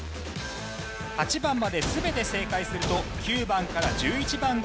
８番まで全て正解すると９番から１１番がオープン。